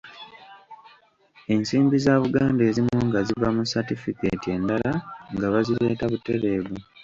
Ensimbi za Buganda ezimu nga ziva mu satifiketi endala nga bazireeta butereevu.